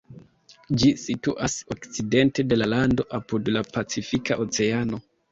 Ĝi situas okcidente de la lando, apud la Pacifika Oceano.